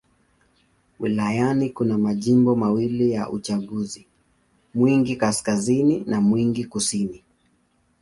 Wilayani kuna majimbo mawili ya uchaguzi: Mwingi Kaskazini na Mwingi Kusini.